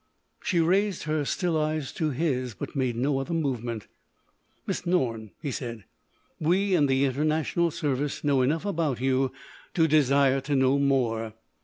She raised her still eyes to his, but made no other movement. "Miss Norne," he said, "we in the International Service know enough about you to desire to know more.